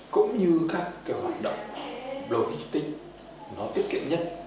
cũng như các hoạt động logistic tiết kiệm nhất